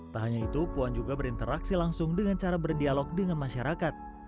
tak hanya itu puan juga berinteraksi langsung dengan cara berdialog dengan masyarakat